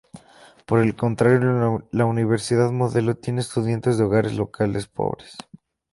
Por el contrario, la universidad modelo tiene estudiantes de hogares locales pobres.